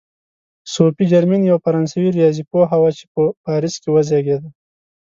صوفي جرمین یوه فرانسوي ریاضي پوهه وه چې په پاریس کې وزېږېده.